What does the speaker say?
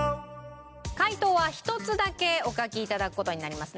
解答は一つだけお書き頂く事になりますね。